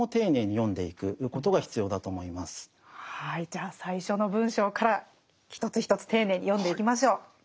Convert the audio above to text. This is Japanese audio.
じゃあ最初の文章から一つ一つ丁寧に読んでいきましょう。